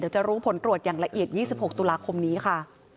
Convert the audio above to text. จะรู้ผลตรวจอย่างละเอียด๒๖ตุลาคมนี้ค่ะ